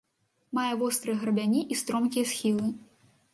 Мае вострыя грабяні і стромкія схілы.